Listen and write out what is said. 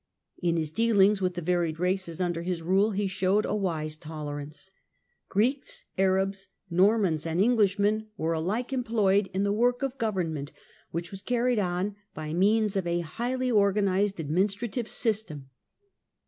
In his dealings with the varied races under his rule he showed a wise tolerance. Greeks, Arabs, Normans, and Englishmen were alike employed in the work of government, which was carried on by means of a highly organized administrative system.